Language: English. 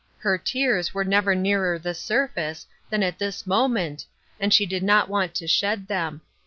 Her teara were never nearer the surface than at this mo ment, and she did not want to shed them.